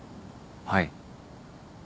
はい。